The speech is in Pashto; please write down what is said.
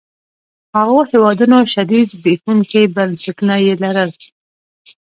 هغو هېوادونو شدید زبېښونکي بنسټونه يې لرل.